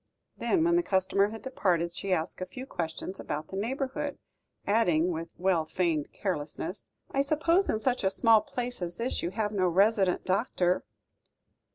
Then, when the customer had departed, she asked a few questions about the neighbourhood, adding, with well feigned carelessness: "I suppose in such a small place as this you have no resident doctor?"